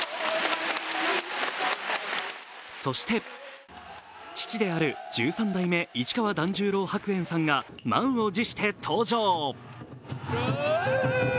そして父である十三代目市川團十郎白猿さんが満を持して登場。